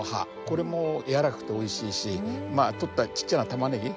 これも柔らかくておいしいしまあとったちっちゃなタマネギ